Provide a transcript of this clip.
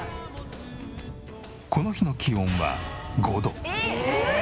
この日の気温は５度。